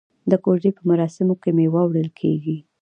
د کوژدې په مراسمو کې میوه وړل کیږي.